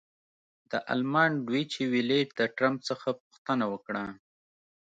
د المان ډویچې وېلې د ټرمپ څخه پوښتنه وکړه.